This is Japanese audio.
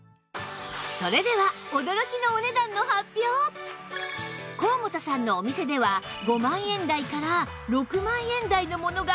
それでは高本さんのお店では５万円台から６万円台のものがずらりでしたが